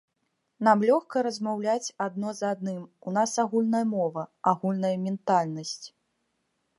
Нам лёгка размаўляць адно з адным, у нас агульная мова, агульная ментальнасць.